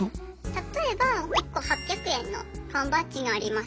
例えば１個８００円の缶バッジがあります。